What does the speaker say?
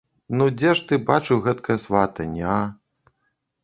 Ну, дзе ж ты бачыў гэткае сватанне, а?